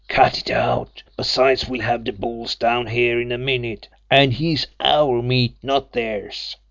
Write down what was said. Cut it out! Besides, we'll have de bulls down here in a minute an' he's OUR meat, not theirs.